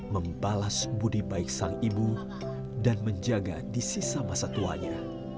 membalas budi baik sang ibu dan menjaga di sisa masa tuanya